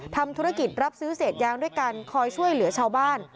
ทำธุรกิจรับซื้อเศษยางด้วยกันคอยช่วยเหลือชาวบ้าน